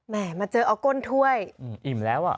มาเจอเอาก้นถ้วยอิ่มแล้วอ่ะ